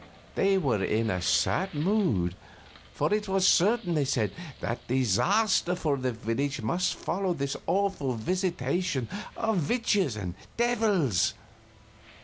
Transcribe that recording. They were in a sad mood, for it was certain, they said, that disaster for the village must follow this awful visitation of witches and devils.